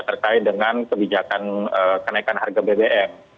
terkait dengan kebijakan kenaikan harga bbm